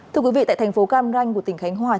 thưa quý vị tại thành phố cam ranh của tỉnh khánh hòa